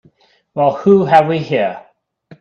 Well who have we here?